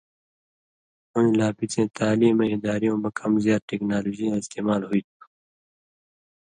ہُویں لا بڅَیں تعلیمَیں اداریُوں مہ کم زیات ٹیکنالوجی یاں استعمال ہُوئ تُھو